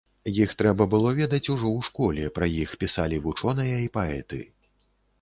Іх трэба было ведаць ўжо ў школе, пра іх пісалі вучоныя і паэты.